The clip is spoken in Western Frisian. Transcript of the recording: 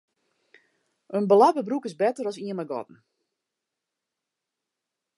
In belape broek is better as ien mei gatten.